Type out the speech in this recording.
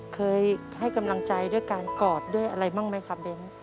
เคยให้กำลังใจด้วยการกอดด้วยอะไรบ้างไหมครับเบ้น